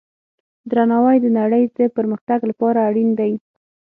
درناوی د نړۍ د پرمختګ لپاره اړین دی.